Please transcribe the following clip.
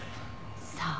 さあ。